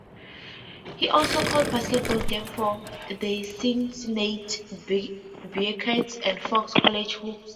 He also called basketball games for the Cincinnati Bearcats and Fox College Hoops.